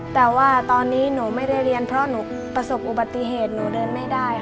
แต่ว่าตอนนี้หนูไม่ได้เรียนเพราะหนูประสบอุบัติเหตุหนูเดินไม่ได้ค่ะ